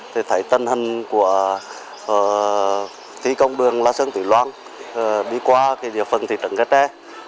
thì thấy tình hình của thị công đường la sơn thủy loan đi qua phần thị trấn khe tre